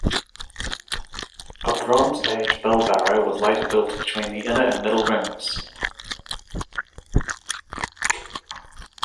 A Bronze Age bell barrow was later built between the inner and middle rings.